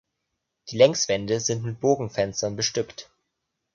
Die Längswände sind mit Bogenfenstern bestückt.